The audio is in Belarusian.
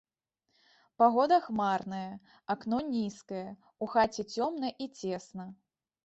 Пагода хмарная, акно нізкае, у хаце цёмна і цесна.